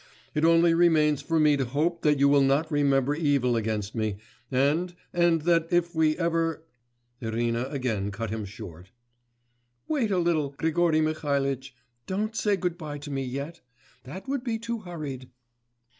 'It only remains for me to hope that you will not remember evil against me, and ... and that if we ever ' Irina again cut him short. 'Wait a little, Grigory Mihalitch, don't say good bye to me yet. That would be too hurried.